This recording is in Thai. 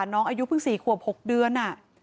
น้องอายุเพิ่ง๔ขวบ๖เดือน